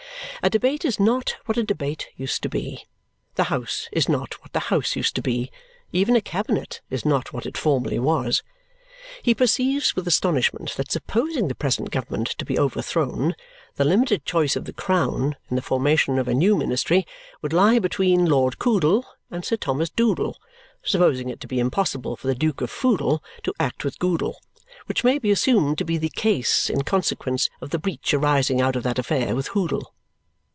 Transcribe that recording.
A debate is not what a debate used to be; the House is not what the House used to be; even a Cabinet is not what it formerly was. He perceives with astonishment that supposing the present government to be overthrown, the limited choice of the Crown, in the formation of a new ministry, would lie between Lord Coodle and Sir Thomas Doodle supposing it to be impossible for the Duke of Foodle to act with Goodle, which may be assumed to be the case in consequence of the breach arising out of that affair with Hoodle.